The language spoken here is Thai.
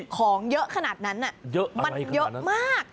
ของเยอะขนาดนั้นมันเยอะมาก